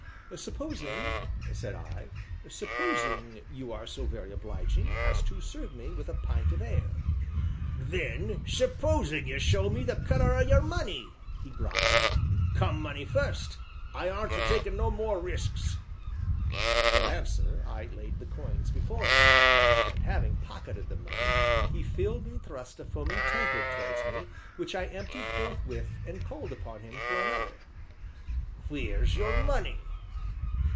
"Supposing," said I, "supposing you are so very obliging as to serve me with a pint of ale?" "Then supposin' you show me the color o' your money?" he growled, "come, money fust; I aren't takin' no more risks." For answer I laid the coins before him. And having pocketed the money, he filled and thrust a foaming tankard towards me, which I emptied forthwith and called upon him for another. "Wheer's your money?"